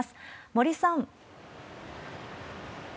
森さん。